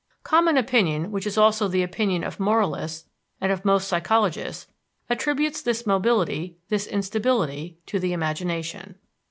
Common opinion, which is also the opinion of moralists and of most psychologists, attributes this mobility, this instability, to the imagination.